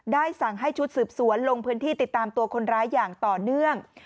สั่งให้ชุดสืบสวนลงพื้นที่ติดตามตัวคนร้ายอย่างต่อเนื่อง